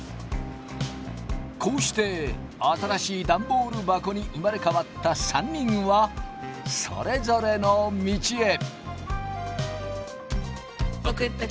こうして新しいダンボール箱に生まれ変わった３人はそれぞれの道へ。